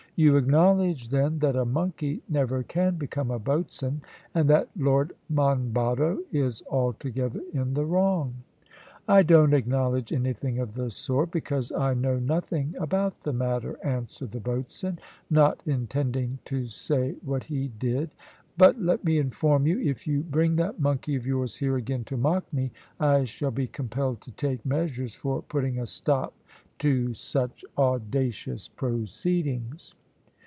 "You acknowledge, then, that a monkey never can become a boatswain, and that Lord Monboddo is altogether in the wrong?" "I don't acknowledge anything of the sort, because I know nothing about the matter," answered the boatswain, not intending to say what he did. "But let me inform you, if you bring that monkey of yours here again to mock me, I shall be compelled to take measures for putting a stop to such audacious proceedings."